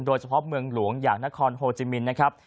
โดยเฉพาะเมืองหลวงอย่างนครโฮจิมินนะครับ